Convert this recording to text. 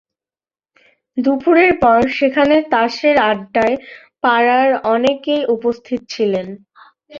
দুপুরের পর সেখানে তাসের আড্ডায় পাড়ার অনেকেই উপস্থিত ছিলেন।